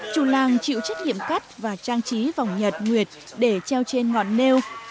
chủ làng chịu trách nhiệm cắt và trang trí vòng nhật nguyệt để treo trên ngọn neo